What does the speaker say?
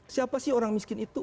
siapa sih orang miskin itu